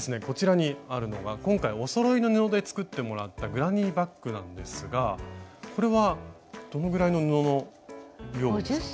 こちらにあるのが今回おそろいの布で作ってもらったグラニーバッグなんですがこれはどのぐらいの布の量ですか？